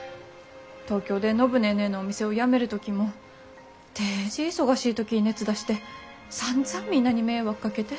東京で暢ネーネーのお店を辞める時もデージ忙しい時に熱出してさんざんみんなに迷惑かけて。